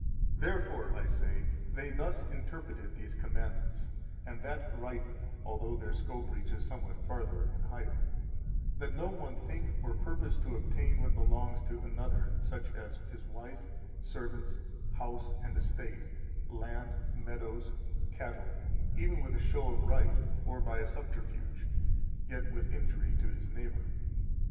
296 Therefore (I say) they thus interpreted these commandments, and that rightly (although their scope reaches somewhat farther and higher), that no one think or purpose to obtain what belongs to another, such as his wife, servants, house and estate, land, meadows, cattle, even with a show of right or by a subterfuge, yet with injury to his neighbor.